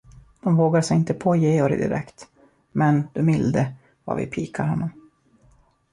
De vågar sig inte på Georg direkt, men, du milde, vad vi pikar honom!